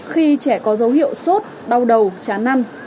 khi trẻ có dấu hiệu sốt đau đầu chán năn